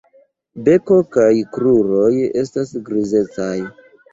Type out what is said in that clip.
Beko kaj kruroj estas grizecaj.